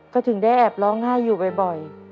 ก็ถึงได้แอบร้องไห้อยู่บ่อย